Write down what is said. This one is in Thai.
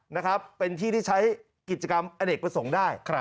นะครับเป็นที่ที่ใช้กิจกรรมอเนกประสงค์ได้